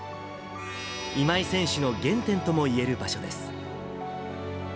今井選手の原点ともいえる場所です。